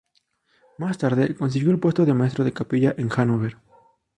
Más tarde consiguió el puesto de maestro de capilla en Hanover.